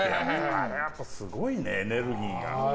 あれはやっぱりすごいねエネルギーが。